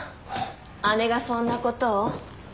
姉がそんなことを？